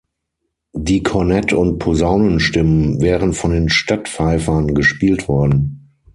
Die Kornett- und Posaunenstimmen wären von den Stadtpfeifern gespielt worden.